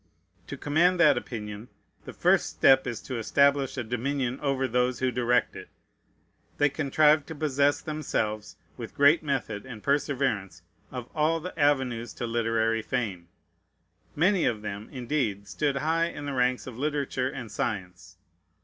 To command that opinion, the first step is to establish a dominion over those who direct it. They contrived to possess themselves, with great method and perseverance, of all the avenues to literary fame. Many of them, indeed, stood high in the ranks of literature and science.